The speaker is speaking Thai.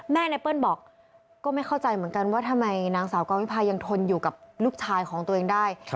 ไนเปิ้ลบอกก็ไม่เข้าใจเหมือนกันว่าทำไมนางสาวกรวิพายังทนอยู่กับลูกชายของตัวเองได้